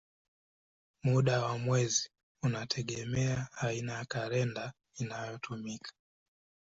Muda wa mwezi unategemea aina ya kalenda inayotumika.